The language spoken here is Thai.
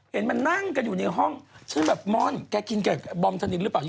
เห็นมันนั่งกันอยู่ในห้องชื่อแบบม่อนแกกินกับบอมธนินหรือเปล่า